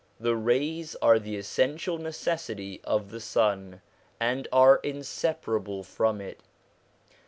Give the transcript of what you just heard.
The rays are the essential necessity of the sun, and are inseparable from it.